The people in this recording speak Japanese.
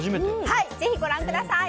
ぜひご覧ください！